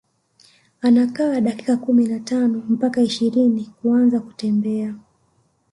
Anakaa dakika kumi na tano mpaka ishirini kuanza kutembea